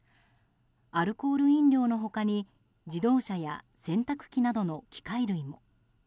アルコール飲料の他に自動車や洗濯機などの機械類も。